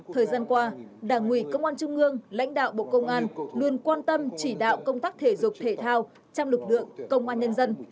thời gian qua đảng ủy công an trung ương lãnh đạo bộ công an luôn quan tâm chỉ đạo công tác thể dục thể thao trong lực lượng công an nhân dân